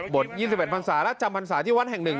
บวช๒๘ภัณฑ์สาระจำภัณฑ์สารที่วันแห่งหนึ่ง